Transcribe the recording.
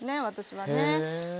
私はね。